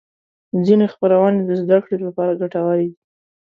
ځینې خپرونې د زدهکړې لپاره ګټورې دي.